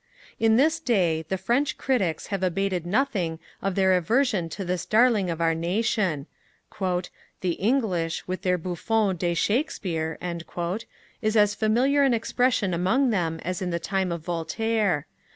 At this day, the French Critics have abated nothing of their aversion to this darling of our Nation: 'the English, with their bouffon de Shakespeare,' is as familiar an expression among them as in the time of Voltaire.